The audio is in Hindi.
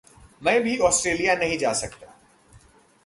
मैं भी ऑस्ट्रेलिया नहीं जा सकता।